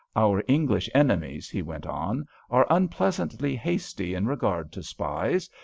"Our English enemies," he went on, "are unpleasantly hasty in regard to spies.